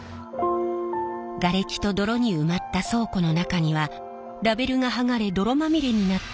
がれきと泥に埋まった倉庫の中にはラベルが剥がれ泥まみれになった